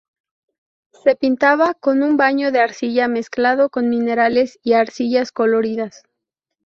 Se pintaba con un baño de arcilla mezclado con minerales y arcillas coloridas.